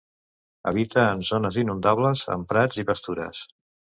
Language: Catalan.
Habita en zones inundables, amb prats i pastures.